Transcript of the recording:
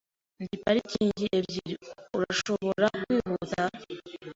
Ndi parikingi ebyiri. Urashobora kwihuta?